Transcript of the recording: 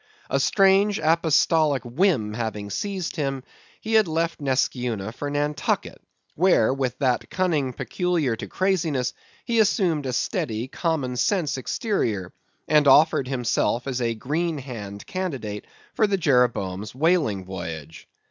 A strange, apostolic whim having seized him, he had left Neskyeuna for Nantucket, where, with that cunning peculiar to craziness, he assumed a steady, common sense exterior, and offered himself as a green hand candidate for the Jeroboam's whaling voyage.